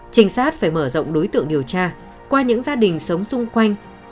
trinh sát phải mở rộng đối tượng điều tra qua những gia đình sống xung quanh